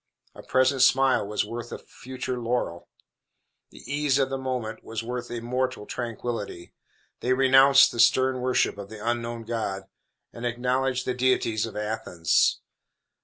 A present smile was worth a future laurel. The ease of the moment was worth immortal tranquillity. They renounced the stern worship of the unknown God, and acknowledged the deities of Athens.